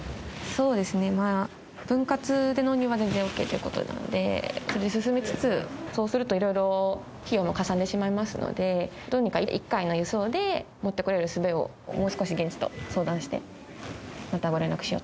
そうですねまあ分割で納入は全然オッケーという事なのでそれで進めつつそうすると色々費用もかさんでしまいますのでどうにか１回の輸送で持ってこれるすべをもう少し現地と相談してまたご連絡しようと思います。